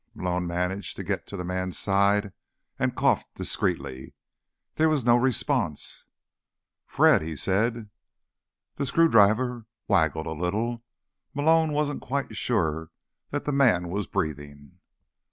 Malone managed to get to the man's side, and coughed discreetly. There was no response. "Fred?" he said. The screwdriver waggled a little. Malone wasn't quite sure that the man was breathing.